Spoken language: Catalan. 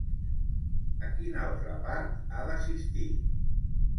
A quin altre part ha d'assistir?